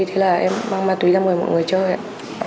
thế là em mang ma túy ra mời mọi người chơi ạ